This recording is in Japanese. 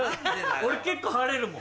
俺結構晴れるもん。